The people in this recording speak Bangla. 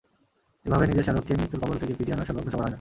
এভাবে নিজের শ্যালককে মৃত্যুর কবল থেকে ফিরিয়ে আনার সৌভাগ্য সবার হয় না!